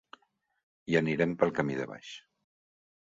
Hi anirem pel camí de baix.